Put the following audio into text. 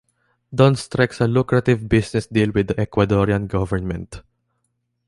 Don strikes a lucrative business deal with the Ecuadorean government.